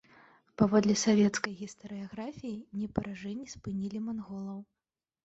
Паводле савецкай гістарыяграфіі, не паражэнні спынілі манголаў.